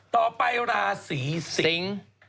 ต่อไปราศีสิง